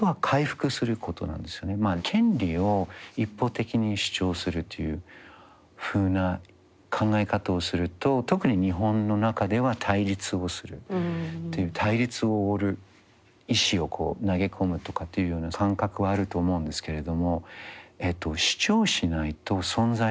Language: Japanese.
権利を一方的に主張するというふうな考え方をすると特に日本の中では対立をするという対立をあおる石を投げ込むとかっていうような感覚はあると思うんですけれども主張しないと存在しない。